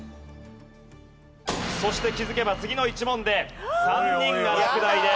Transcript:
そして気づけば次の１問で３人が落第です。